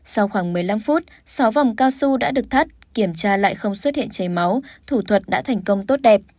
sau khoảng một mươi năm phút sáu vòng cao su đã được thắt kiểm tra lại không xuất hiện cháy máu thủ thuật đã thành công tốt đẹp